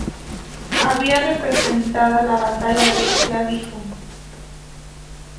Había representada la batalla de Clavijo.